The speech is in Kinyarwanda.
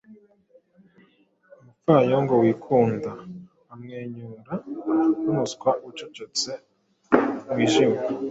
Umupfayongo wikunda, amwenyura, numuswa ucecetse, wijimye,